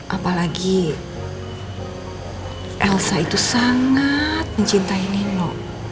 apalagi elsa itu sangat mencintai nino